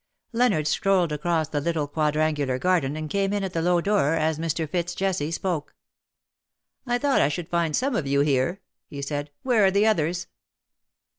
Leonard strolled across the little quadrangular garden, and came in at the low door, as Mr. Fitz Jesse spoke. " I thought I should find some of you here/' he said; *^ where are the others?"